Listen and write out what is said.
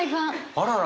あらら。